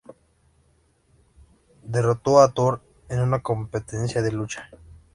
Derrotó a Thor en una competencia de lucha.